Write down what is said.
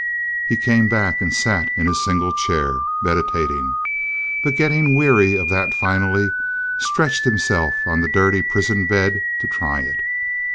He came back and sat in his single chair, meditating, but, getting weary of that finally, stretched himself on the dirty prison bed to try it.